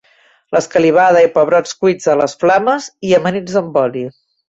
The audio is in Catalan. L'escalivada, i pebrots cuits a les flames i amanits amb oli.